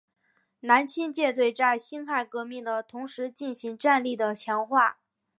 南清舰队在辛亥革命的同时进行战力的强化。